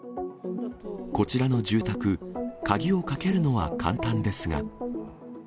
こちらの住宅、鍵をかけるのは簡単ですが。